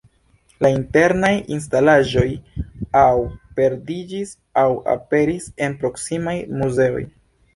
La internaj instalaĵoj aŭ perdiĝis, aŭ aperis en proksimaj muzeoj.